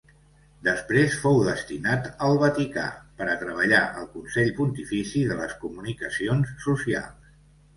Després fou destinat al Vaticà per a treballar al Consell Pontifici de les Comunicacions Socials.